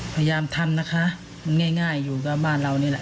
พยายามทำนะคะมันง่ายอยู่กับบ้านเรานี่แหละ